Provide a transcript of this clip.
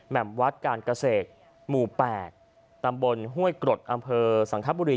มวัดการเกษตรหมู่๘ตำบลห้วยกรดอำเภอสังคบุรี